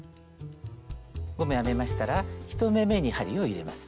５目編めましたら１目めに針を入れます。